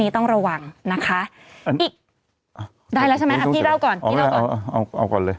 ต้องระวังนะคะอีกได้แล้วใช่ไหมอ่ะพี่เล่าก่อนพี่เล่าก่อนเอาเอาก่อนเลย